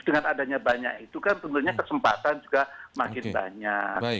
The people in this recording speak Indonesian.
dengan adanya banyak itu kan tentunya kesempatan juga makin banyak